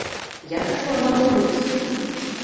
Як такое магло быць?